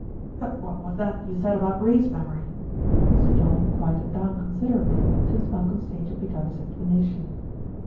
"But what was that you said about race memory?" Sir John had quieted down considerably since Malcolm Sage had begun his explanation.